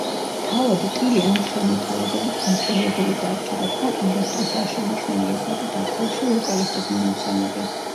თავად ტილი ამ შემოთავაზებით გაკვირვებული დარჩა, რადგან არასდროს არ შეუმჩნევია საკუთარ თავში ვოკალისტის მონაცემები.